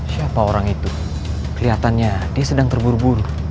siapa orang itu kelihatannya dia sedang terburu buru